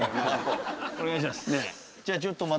お願いします。